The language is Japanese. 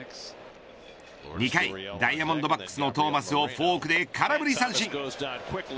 ２回、ダイヤモンドバックスのトーマスをフォークで空振り三振。